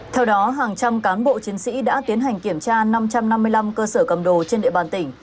theo đó hàng trăm cán bộ chiến sĩ đã tiến hành kiểm tra năm trăm năm mươi năm cơ sở cầm đồ trên địa bàn tỉnh